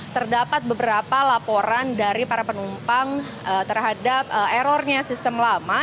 terdapat beberapa laporan dari para penumpang terhadap errornya sistem lama